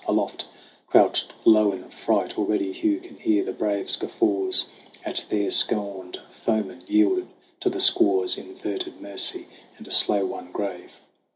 Aloft, crouched low in fright, Already Hugh can hear the braves' guffaws At their scorned foeman yielded to the squaws' Inverted mercy and a slow won grave.